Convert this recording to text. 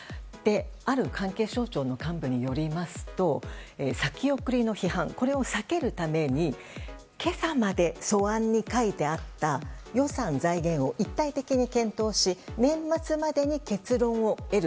ある関係省庁の幹部によりますと先送りの批判を避けるために今朝まで、素案に書いてあった予算、財源を一体的に検討し年末までに結論を得る。